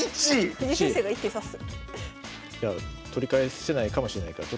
藤井先生が１手指す。